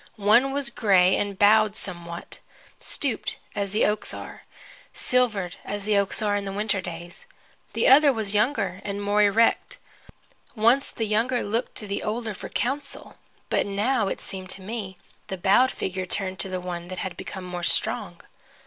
One was gray and bowed somewhat, stooped as the oaks are, silvered as the oaks are in the winter days. The other was younger and more erect. Once the younger looked to the older for counsel, but now it seemed to me the bowed figure turned to the one that had become more strong.